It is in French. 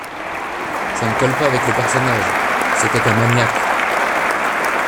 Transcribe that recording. ça ne colle pas avec le personnage. C’était un maniaque.